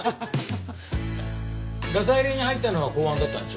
ガサ入れに入ったのは公安だったんでしょ？